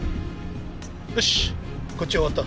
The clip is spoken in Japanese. よしこっちは終わった。